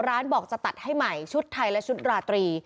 ร้านบอกจะตัดให้ใหม่ชุดไทยและชุดราตรี